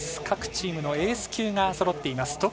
各チームのエース級がそろっています。